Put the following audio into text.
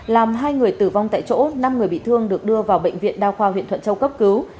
làm hai người tử vong tại chỗ năm người bị thương được đưa vào bệnh viện đa khoa huyện thuận châu cấp cứu